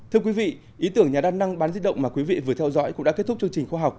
thưa quý vị ý tưởng nhà đa năng bán di động mà quý vị vừa theo dõi cũng đã kết thúc chương trình khoa học